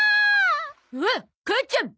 おっ母ちゃん。